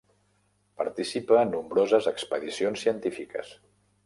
Participa en nombroses expedicions científiques.